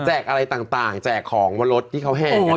แจกอะไรต่างแจกของมารถที่เขาแห้งไง